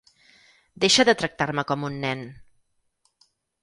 Deixa de tractar-me com un nen.